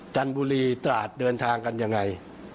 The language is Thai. จันทบุรีตราดเดินทางกันยังไง